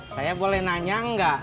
saya boleh nanya enggak